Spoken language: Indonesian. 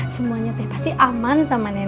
semuanya teh pasti aman sama nenek